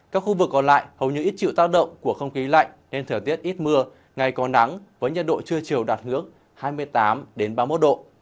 các khu vực còn lại hầu như ít chịu tác động của không khí lạnh nên thời tiết ít mưa ngày có nắng với nhiệt độ trưa chiều đạt hướng hai mươi tám ba mươi một độ